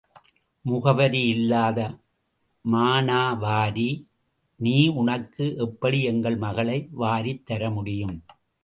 முகவரி இல்லாத மானாவாரி நீ உனக்கு எப்படி எங்கள் மகளை வாரித் தர முடியும்?